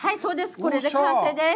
これで完成です。